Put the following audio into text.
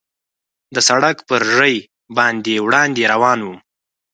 د سړک پر ژۍ باندې وړاندې روان ووم.